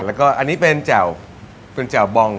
แล้วก็อันนี้เป็นแจ่วเป็นแจ่วบอง